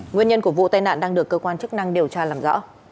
nguyên nhân của vụ tai nạn đang được cơ quan chức năng điều tra làm rõ